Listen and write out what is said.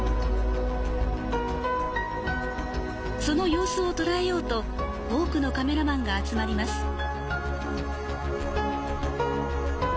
その様子をとらえようと多くのカメラマンが集まります。